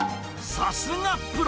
さすがプロ！